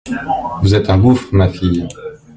Vous êtes un gouffre, ma fille.